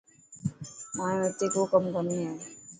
مايو اتي ڪو ڪم ڪوني هي.